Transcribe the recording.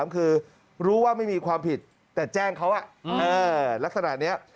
คือรู้ว่าไม่มีความผิดแต่แจ้งเขาลักษณะนี้